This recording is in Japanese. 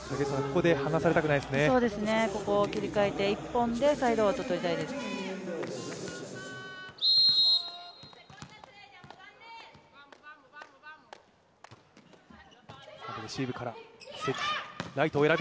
ここを切り替えて１本でサイドアウト取りたいです。